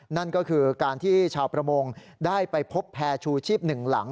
นั่นก็คือการที่ชาวประมงได้ไปพบแพร่ชูชีพหนึ่งหลัง